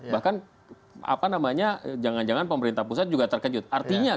bahkan jangan jangan pemerintah pusat juga terkejut